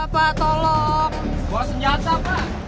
buat senjata pak